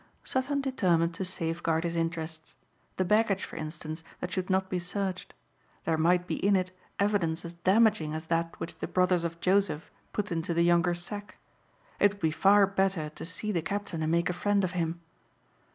Sutton determined to safeguard his interests. The baggage for instance, that should not be searched. There might be in it evidence as damaging as that which the brothers of Joseph put into the younger's sack. It would be far better to see the captain and make a friend of him.